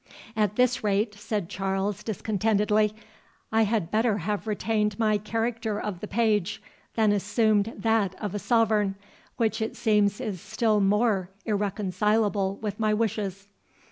"At this rate," said Charles, discontentedly, "I had better have retained my character of the page, than assumed that of a sovereign, which it seems is still more irreconcilable with my wishes."